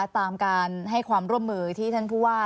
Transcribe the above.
ตามการให้ความร่วมมือที่ท่านผู้ว่า